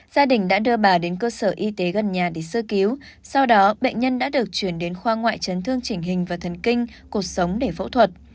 gia đình đã đưa bà đến cơ sở y tế gần nhà để sơ cứu sau đó bệnh nhân đã được chuyển đến khoa ngoại chấn thương chỉnh hình và thần kinh cuộc sống để phẫu thuật